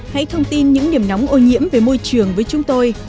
hãy thông tin những điểm nóng ô nhiễm về môi trường với chúng tôi